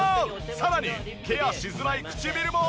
さらにケアしづらい唇も。